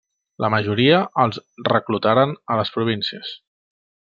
La majoria els reclutaren a les províncies.